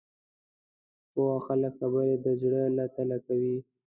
پوه خلک خبرې د زړه له تله کوي